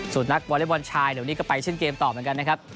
ส่วนนักวอเล็กบอลชายเดี๋ยวนี้ก็ไปเช่นเกมต่อเหมือนกันนะครับ